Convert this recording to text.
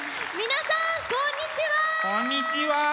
皆さんこんにちは！